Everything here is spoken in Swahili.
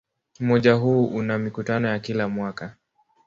Umoja huu una mikutano ya kila mwaka.